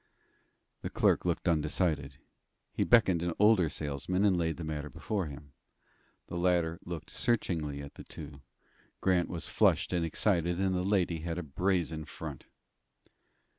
The clerk looked undecided. He beckoned an older salesman, and laid the matter before him. The latter looked searchingly at the two. Grant was flushed and excited, and the lady had a brazen front.